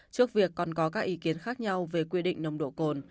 trước việc còn có các ý kiến khác nhau về quy định nồng độ cồn